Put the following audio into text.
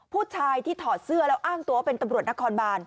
ผู้ชายที่ถอดเสื้อแล้วอ้างตัวว่าเป็นตำรวจนครบาน